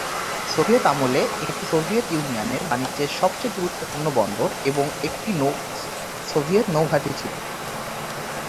Soviet আমলে এটি Soviet ইউনিয়নের বাণিজ্যের সবচেয়ে গুরুত্বপূর্ণ বন্দর এবং একটি সোভিয়েত নৌ ঘাঁটি ছিল।